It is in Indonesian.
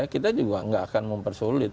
kita juga nggak akan mempersulit